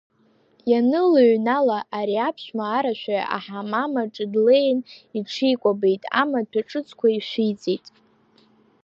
Ианылыҩнала, ари аԥшәма арашәаҩ аҳамам аҿы длеин иҽикәабеит, амаҭәа ҿыцқәа ишәиҵеит.